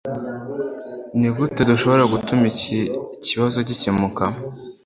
Nigute dushobora gutuma iki kibazo gikemuka